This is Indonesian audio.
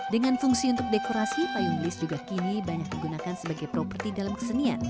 dengan fungsi untuk dekorasi payung gelis juga kini banyak digunakan sebagai properti dalam kesenian